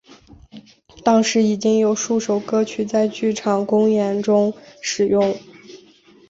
当时已经有数首歌曲在剧场公演中使用。